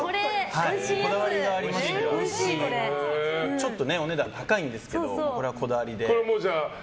ちょっとお値段高いんですけどこれはこだわりで。